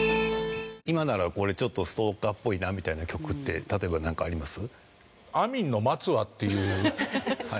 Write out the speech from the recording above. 今ならこれちょっとストーカーっぽいなみたいな曲って例えばなんかあります？